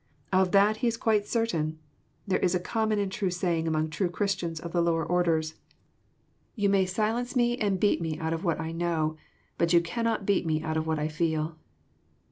Of that he is quite certain. There is a common and true saying among true Christians of the lower orders :*< You may silence me and beat JOHN, CHAP. IX. 159 me oat of what I know : bat you cannot beat me out of what I feel."